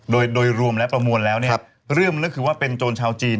โดยรวมและประมวลแล้วเรื่องมันก็คือว่าเป็นโจรชาวจีน